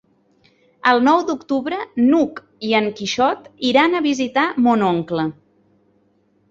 El nou d'octubre n'Hug i en Quixot iran a visitar mon oncle.